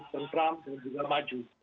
yang trump juga maju